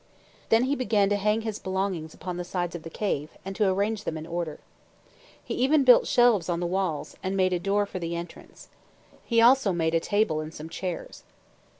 Then he began to hang his belongings upon the sides of the cave, and to arrange them in order. He even built shelves on the walls, and made a door for the entrance. He also made a table and some chairs.